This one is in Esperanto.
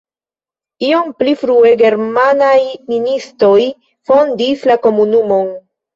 Iom pli frue germanaj ministoj fondis la komunumon.